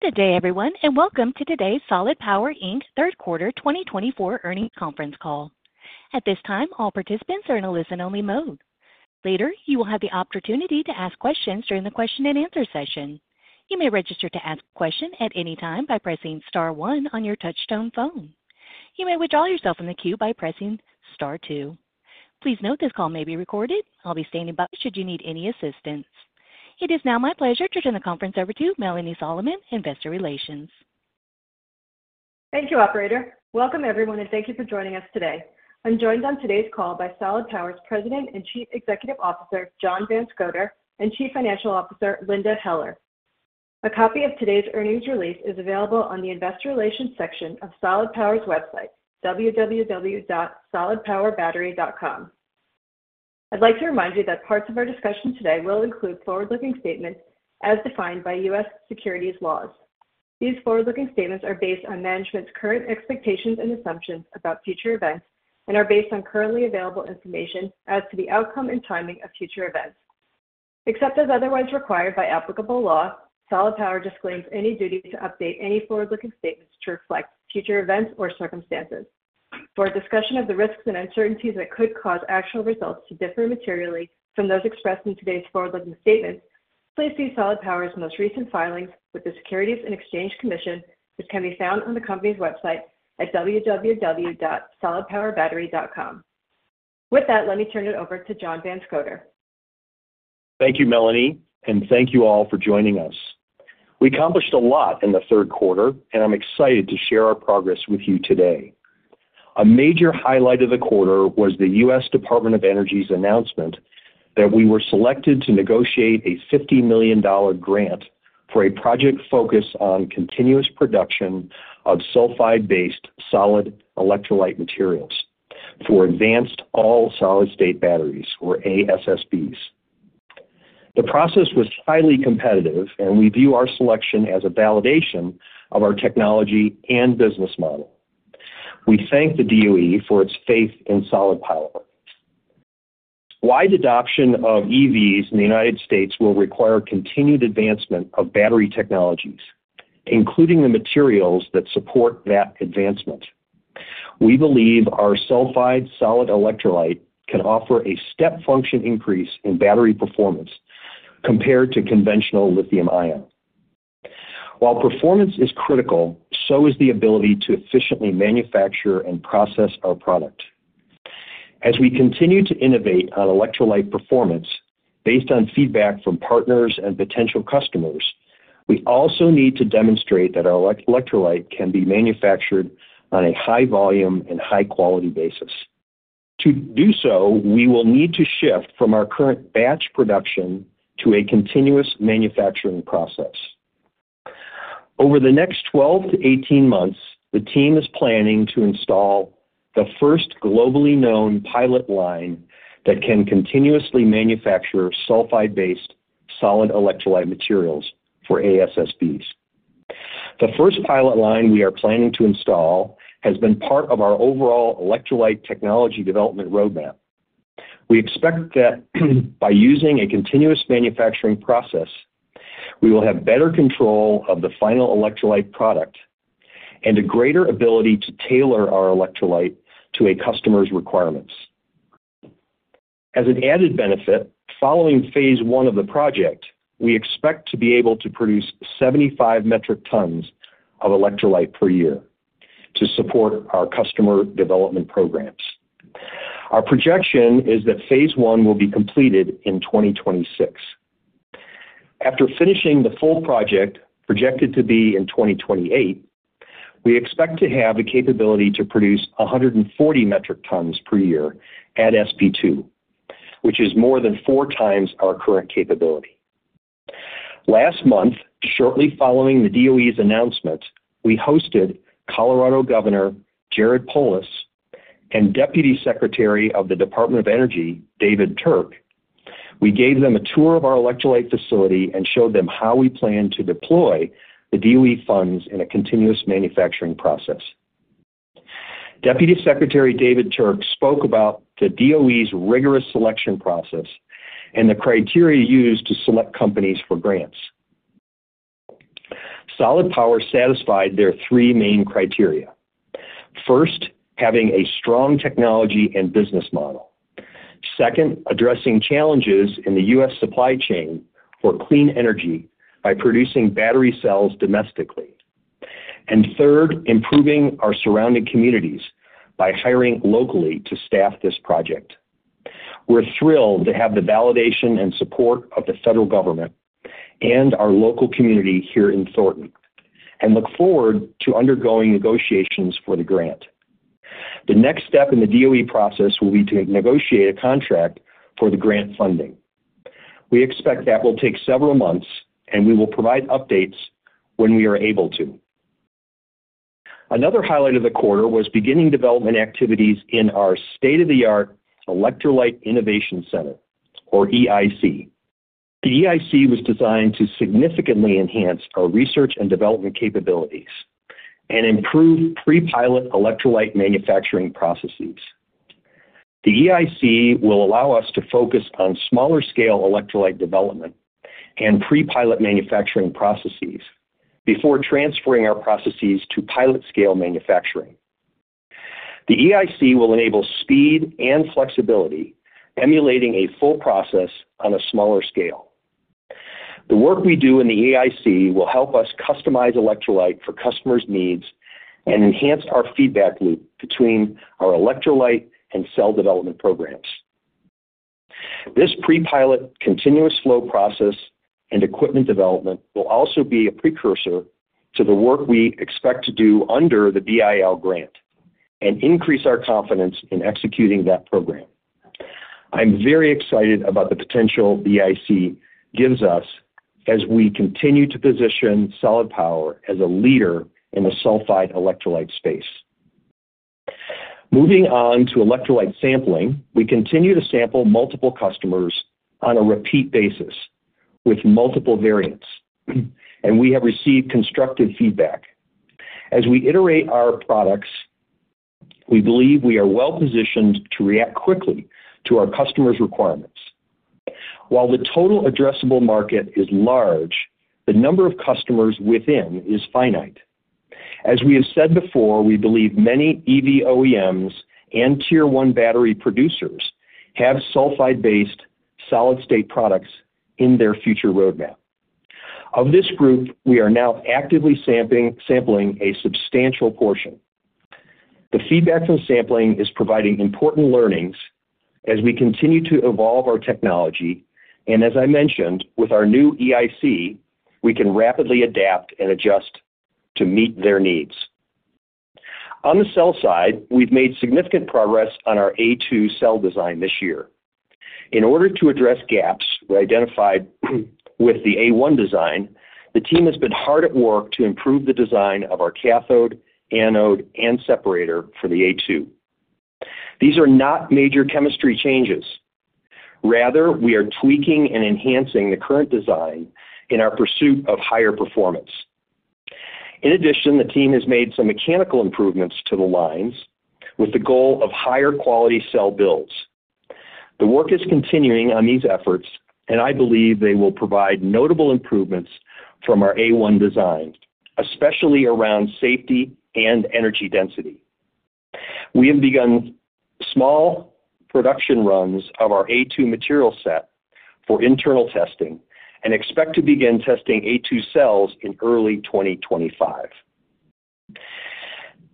Good day, everyone, and welcome to today's Solid Power Inc. Third Quarter 2024 earnings conference call. At this time, all participants are in a listen-only mode. Later, you will have the opportunity to ask questions during the question-and-answer session. You may register to ask a question at any time by pressing Star one on your touch-tone phone. You may withdraw yourself from the queue by pressing Star two. Please note this call may be recorded. I'll be standing by should you need any assistance. It is now my pleasure to turn the conference over to Melanie Solomon, Investor Relations. Thank you, Operator. Welcome, everyone, and thank you for joining us today. I'm joined on today's call by Solid Power's President and Chief Executive Officer, John Van Scoter, and Chief Financial Officer, Linda Heller. A copy of today's earnings release is available on the Investor Relations section of Solid Power's website, www.solidpowerbattery.com. I'd like to remind you that parts of our discussion today will include forward-looking statements as defined by U.S. securities laws. These forward-looking statements are based on management's current expectations and assumptions about future events and are based on currently available information as to the outcome and timing of future events. Except as otherwise required by applicable law, Solid Power disclaims any duty to update any forward-looking statements to reflect future events or circumstances. For a discussion of the risks and uncertainties that could cause actual results to differ materially from those expressed in today's forward-looking statements, please see Solid Power's most recent filings with the Securities and Exchange Commission, which can be found on the company's website at www.solidpowerbattery.com. With that, let me turn it over to John Van Scoter. Thank you, Melanie, and thank you all for joining us. We accomplished a lot in the third quarter, and I'm excited to share our progress with you today. A major highlight of the quarter was the US Department of Energy's announcement that we were selected to negotiate a $50 million grant for a project focused on continuous production of sulfide-based solid electrolyte materials for advanced all-solid-state batteries, or ASSBs. The process was highly competitive, and we view our selection as a validation of our technology and business model. We thank the DOE for its faith in Solid Power. Wide adoption of EVs in the United States will require continued advancement of battery technologies, including the materials that support that advancement. We believe our sulfide solid electrolyte can offer a step function increase in battery performance compared to conventional lithium-ion. While performance is critical, so is the ability to efficiently manufacture and process our product. As we continue to innovate on electrolyte performance based on feedback from partners and potential customers, we also need to demonstrate that our electrolyte can be manufactured on a high-volume and high-quality basis. To do so, we will need to shift from our current batch production to a continuous manufacturing process. Over the next 12 months-18 months, the team is planning to install the first globally known pilot line that can continuously manufacture sulfide-based solid electrolyte materials for ASSBs. The first pilot line we are planning to install has been part of our overall electrolyte technology development roadmap. We expect that by using a continuous manufacturing process, we will have better control of the final electrolyte product and a greater ability to tailor our electrolyte to a customer's requirements. As an added benefit, following phase one of the project, we expect to be able to produce 75 metric tons of electrolyte per year to support our customer development programs. Our projection is that phase one will be completed in 2026. After finishing the full project, projected to be in 2028, we expect to have the capability to produce 140 metric tons per year at SP2, which is more than four times our current capability. Last month, shortly following the DOE's announcement, we hosted Colorado Governor Jared Polis and Deputy Secretary of the Department of Energy, David Turk. We gave them a tour of our electrolyte facility and showed them how we plan to deploy the DOE funds in a continuous manufacturing process. Deputy Secretary David Turk spoke about the DOE's rigorous selection process and the criteria used to select companies for grants. Solid Power satisfied their three main criteria. First, having a strong technology and business model. Second, addressing challenges in the U.S. supply chain for clean energy by producing battery cells domestically. And third, improving our surrounding communities by hiring locally to staff this project. We're thrilled to have the validation and support of the federal government and our local community here in Thornton, and look forward to undergoing negotiations for the grant. The next step in the DOE process will be to negotiate a contract for the grant funding. We expect that will take several months, and we will provide updates when we are able to. Another highlight of the quarter was beginning development activities in our state-of-the-art Electrolyte Innovation Center, or EIC. The EIC was designed to significantly enhance our research and development capabilities and improve pre-pilot electrolyte manufacturing processes. The EIC will allow us to focus on smaller-scale electrolyte development and pre-pilot manufacturing processes before transferring our processes to pilot-scale manufacturing. The EIC will enable speed and flexibility, emulating a full process on a smaller scale. The work we do in the EIC will help us customize electrolyte for customers' needs and enhance our feedback loop between our electrolyte and cell development programs. This pre-pilot continuous flow process and equipment development will also be a precursor to the work we expect to do under the BIL grant and increase our confidence in executing that program. I'm very excited about the potential the EIC gives us as we continue to position Solid Power as a leader in the sulfide electrolyte space. Moving on to electrolyte sampling, we continue to sample multiple customers on a repeat basis with multiple variants, and we have received constructive feedback. As we iterate our products, we believe we are well-positioned to react quickly to our customers' requirements. While the total addressable market is large, the number of customers within is finite. As we have said before, we believe many EV OEMs and Tier 1 battery producers have sulfide-based solid-state products in their future roadmap. Of this group, we are now actively sampling a substantial portion. The feedback from sampling is providing important learnings as we continue to evolve our technology, and as I mentioned, with our new EIC, we can rapidly adapt and adjust to meet their needs. On the cell side, we've made significant progress on our A2 cell design this year. In order to address gaps we identified with the A1 design, the team has been hard at work to improve the design of our cathode, anode, and separator for the A2. These are not major chemistry changes. Rather, we are tweaking and enhancing the current design in our pursuit of higher performance. In addition, the team has made some mechanical improvements to the lines with the goal of higher-quality cell builds. The work is continuing on these efforts, and I believe they will provide notable improvements from our A1 design, especially around safety and energy density. We have begun small production runs of our A2 material set for internal testing and expect to begin testing A2 cells in early 2025.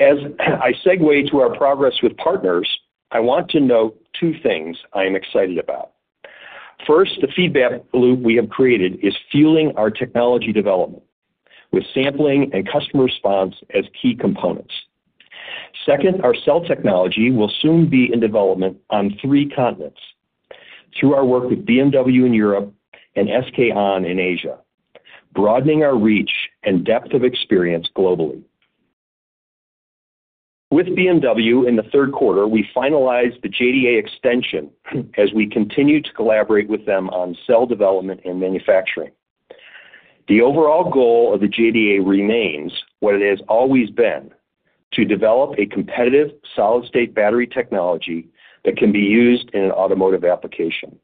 As I segue to our progress with partners, I want to note two things I am excited about. First, the feedback loop we have created is fueling our technology development with sampling and customer response as key components. Second, our cell technology will soon be in development on three continents through our work with BMW in Europe and SK On in Asia, broadening our reach and depth of experience globally. With BMW in the third quarter, we finalized the JDA extension as we continue to collaborate with them on cell development and manufacturing. The overall goal of the JDA remains what it has always been, to develop a competitive solid-state battery technology that can be used in an automotive application.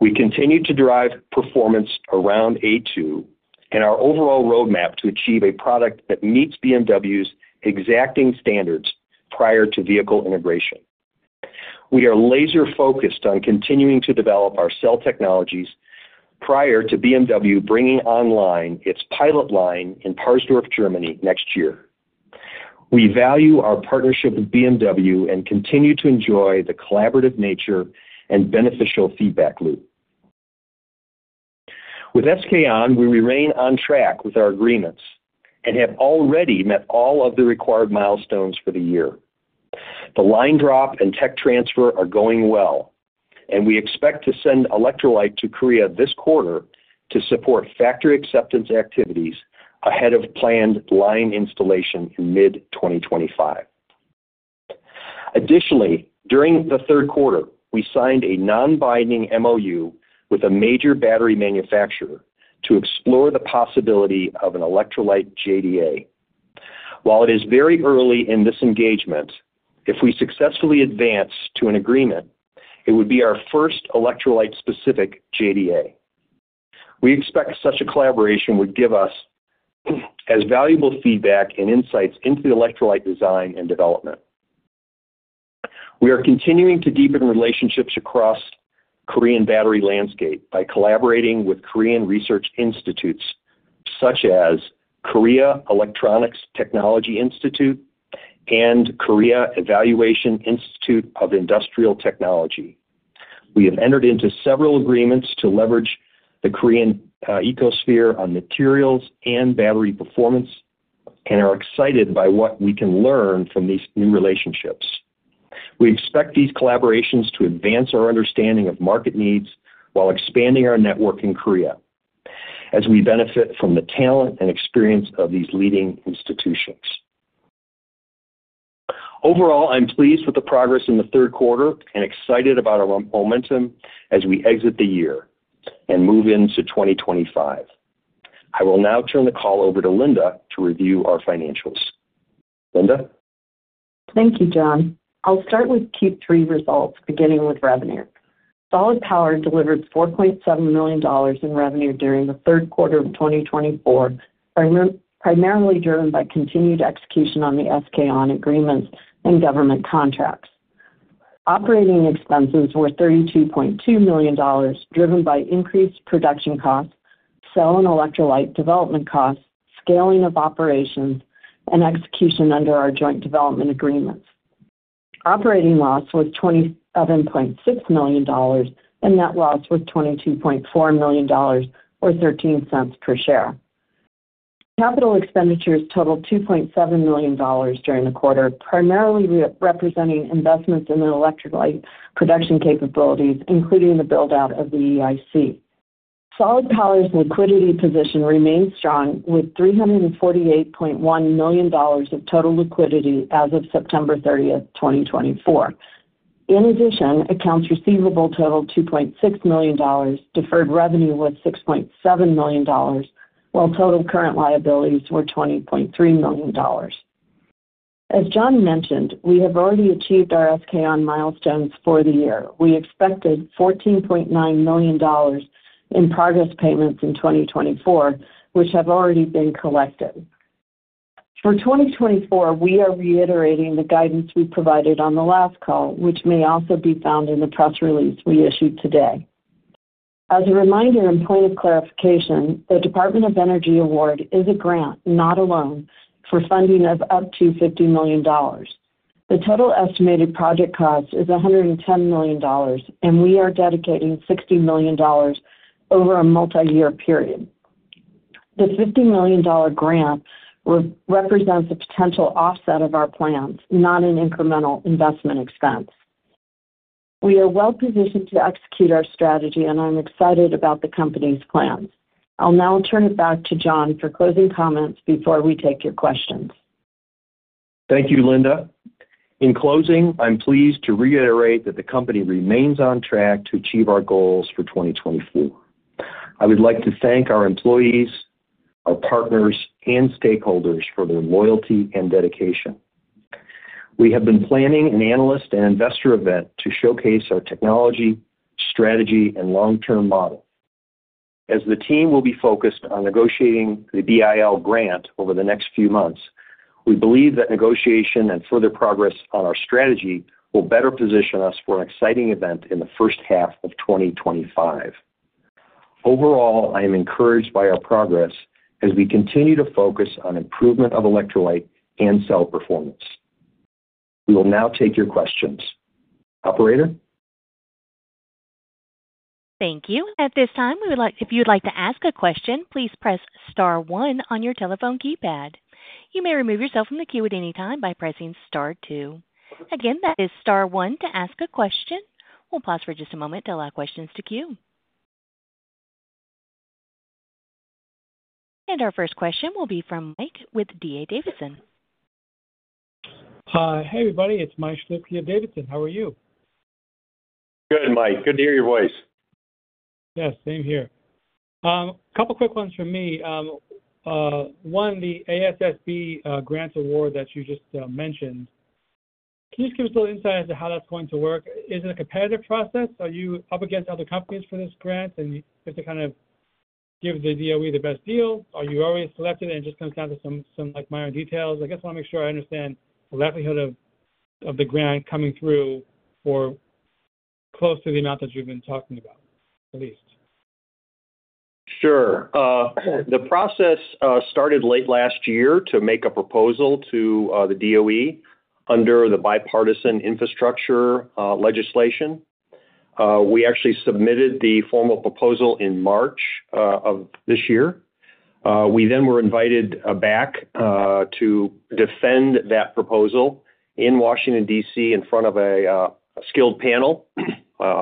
We continue to drive performance around A2 and our overall roadmap to achieve a product that meets BMW's exacting standards prior to vehicle integration. We are laser-focused on continuing to develop our cell technologies prior to BMW bringing online its pilot line in Parsdorf, Germany, next year. We value our partnership with BMW and continue to enjoy the collaborative nature and beneficial feedback loop. With SK On, we remain on track with our agreements and have already met all of the required milestones for the year. The line drop and tech transfer are going well, and we expect to send electrolyte to Korea this quarter to support factory acceptance activities ahead of planned line installation in mid-2025. Additionally, during the third quarter, we signed a non-binding MOU with a major battery manufacturer to explore the possibility of an electrolyte JDA. While it is very early in this engagement, if we successfully advance to an agreement, it would be our first electrolyte-specific JDA. We expect such a collaboration would give us valuable feedback and insights into the electrolyte design and development. We are continuing to deepen relationships across the Korean battery landscape by collaborating with Korean research institutes such as Korea Electronics Technology Institute and Korea Evaluation Institute of Industrial Technology. We have entered into several agreements to leverage the Korean ecosystem on materials and battery performance and are excited by what we can learn from these new relationships. We expect these collaborations to advance our understanding of market needs while expanding our network in Korea as we benefit from the talent and experience of these leading institutions. Overall, I'm pleased with the progress in the third quarter and excited about our momentum as we exit the year and move into 2025. I will now turn the call over to Linda to review our financials. Linda? Thank you, John. I'll start with Q3 results, beginning with revenue. Solid Power delivered $4.7 million in revenue during the third quarter of 2024, primarily driven by continued execution on the SK On agreements and government contracts. Operating expenses were $32.2 million, driven by increased production costs, cell and electrolyte development costs, scaling of operations, and execution under our joint development agreements. Operating loss was $27.6 million, and net loss was $22.4 million, or $0.13 per share. Capital expenditures totaled $2.7 million during the quarter, primarily representing investments in the electrolyte production capabilities, including the build-out of the EIC. Solid Power's liquidity position remained strong with $348.1 million of total liquidity as of September 30th, 2024. In addition, accounts receivable totaled $2.6 million, deferred revenue was $6.7 million, while total current liabilities were $20.3 million. As John mentioned, we have already achieved our SK On milestones for the year. We expected $14.9 million in progress payments in 2024, which have already been collected. For 2024, we are reiterating the guidance we provided on the last call, which may also be found in the press release we issued today. As a reminder and point of clarification, the Department of Energy award is a grant, not a loan, for funding of up to $50 million. The total estimated project cost is $110 million, and we are dedicating $60 million over a multi-year period. The $50 million grant represents a potential offset of our plans, not an incremental investment expense. We are well-positioned to execute our strategy, and I'm excited about the company's plans. I'll now turn it back to John for closing comments before we take your questions. Thank you, Linda. In closing, I'm pleased to reiterate that the company remains on track to achieve our goals for 2024. I would like to thank our employees, our partners, and stakeholders for their loyalty and dedication. We have been planning an analyst and investor event to showcase our technology, strategy, and long-term model. As the team will be focused on negotiating the BIL grant over the next few months, we believe that negotiation and further progress on our strategy will better position us for an exciting event in the first half of 2025. Overall, I am encouraged by our progress as we continue to focus on improvement of electrolyte and cell performance. We will now take your questions. Operator? Thank you. At this time, if you'd like to ask a question, please press Star one on your telephone keypad. You may remove yourself from the queue at any time by pressing Star two. Again, that is Star one to ask a question. We'll pause for just a moment to allow questions to queue. And our first question will be from Mike with D.A. Davidson. Hi, everybody. It's Mike Shlisky here at D.A. Davidson. How are you? Good, Mike. Good to hear your voice. Yes, same here. A couple of quick ones from me. One, the ASSB grant award that you just mentioned, can you just give us a little insight as to how that's going to work? Is it a competitive process? Are you up against other companies for this grant? And is it kind of give the DOE the best deal? Are you already selected and it just comes down to some minor details? I just want to make sure I understand the likelihood of the grant coming through for close to the amount that you've been talking about, at least. Sure. The process started late last year to make a proposal to the DOE under the Bipartisan Infrastructure Legislation. We actually submitted the formal proposal in March of this year. We then were invited back to defend that proposal in Washington, D.C., in front of a skilled panel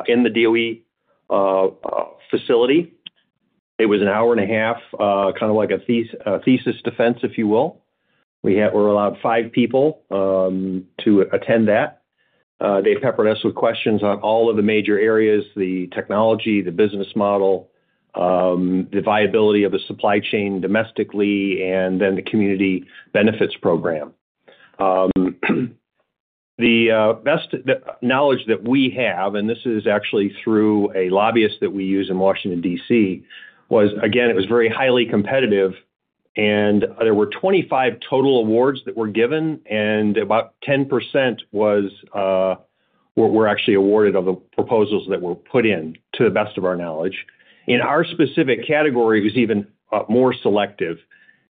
in the DOE facility. It was an hour and a half, kind of like a thesis defense, if you will. We were allowed five people to attend that. They peppered us with questions on all of the major areas: the technology, the business model, the viability of the supply chain domestically, and then the community benefits program. The knowledge that we have, and this is actually through a lobbyist that we use in Washington, D.C., was, again, it was very highly competitive, and there were 25 total awards that were given, and about 10% were actually awarded of the proposals that were put in, to the best of our knowledge. In our specific category, it was even more selective,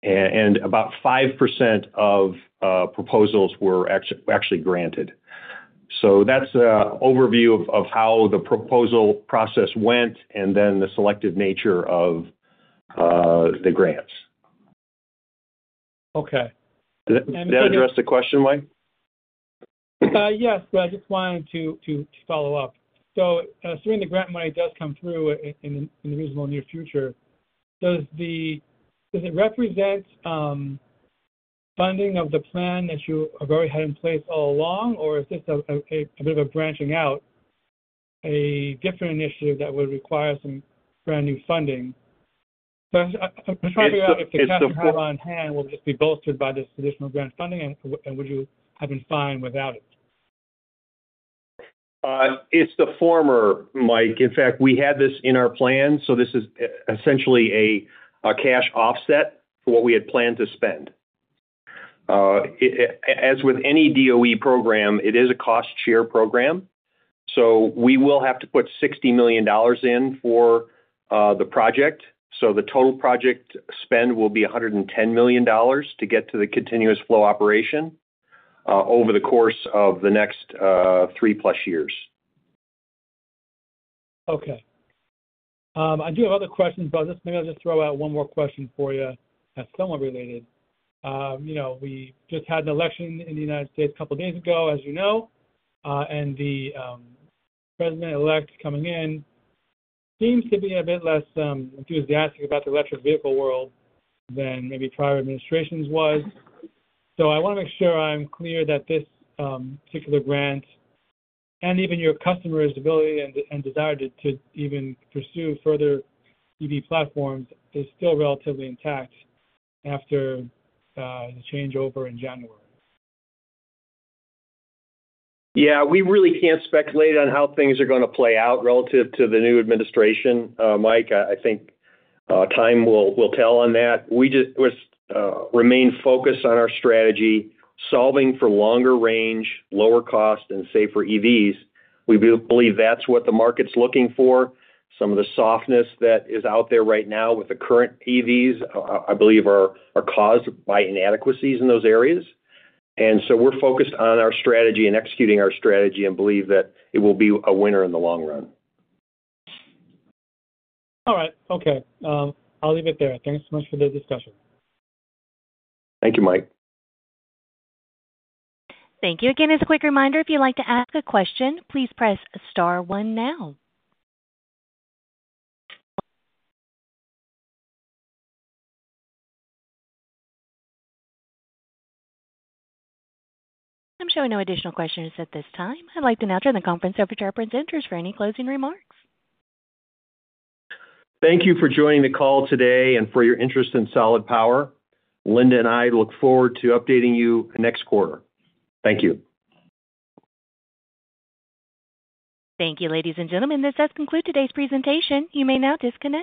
and about 5% of proposals were actually granted. So that's an overview of how the proposal process went and then the selective nature of the grants. Okay. Did that address the question, Mike? Yes, but I just wanted to follow up. So assuming the grant money does come through in the reasonable near future, does it represent funding of the plan that you have already had in place all along, or is this a bit of a branching out, a different initiative that would require some brand new funding? I'm trying to figure out if the cash flow on hand will just be bolstered by this additional grant funding, and would you have been fine without it? It's the former, Mike. In fact, we had this in our plan, so this is essentially a cash offset for what we had planned to spend. As with any DOE program, it is a cost-share program. So we will have to put $60 million in for the project. So the total project spend will be $110 million to get to the continuous flow operation over the course of the next three-plus years. Okay. I do have other questions, but maybe I'll just throw out one more question for you that's somewhat related. We just had an election in the United States a couple of days ago, as you know, and the president-elect coming in seems to be a bit less enthusiastic about the electric vehicle world than maybe prior administrations was. So I want to make sure I'm clear that this particular grant and even your customer's ability and desire to even pursue further EV platforms is still relatively intact after the changeover in January. Yeah, we really can't speculate on how things are going to play out relative to the new administration. Mike, I think time will tell on that. We just remain focused on our strategy, solving for longer range, lower cost, and safer EVs. We believe that's what the market's looking for. Some of the softness that is out there right now with the current EVs, I believe, are caused by inadequacies in those areas. And so we're focused on our strategy and executing our strategy and believe that it will be a winner in the long run. All right. Okay. I'll leave it there. Thanks so much for the discussion. Thank you, Mike. Thank you. Again, as a quick reminder, if you'd like to ask a question, please press Star one now. I'm showing no additional questions at this time. I'd like to now turn the conference over to our presenters for any closing remarks. Thank you for joining the call today and for your interest in Solid Power. Linda and I look forward to updating you next quarter. Thank you. Thank you, ladies and gentlemen. This does conclude today's presentation. You may now disconnect.